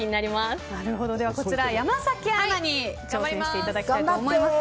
こちら山崎アナに挑戦していただきたいと思います。